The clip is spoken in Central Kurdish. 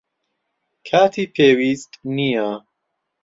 کاتی پێویست نییە.